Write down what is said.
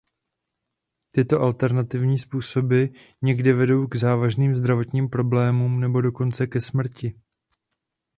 Tyto alternativní způsoby někdy vedou k závažným zdravotním problémům nebo dokonce ke smrti.